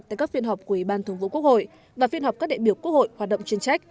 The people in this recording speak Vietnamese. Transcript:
tại các phiên họp của ủy ban thường vụ quốc hội và phiên họp các đại biểu quốc hội hoạt động chuyên trách